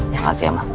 terima kasih ya ma